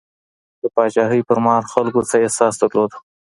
د پاچاهۍ پر مهال خلګو څه احساس درلود؟